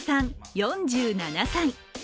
４７歳。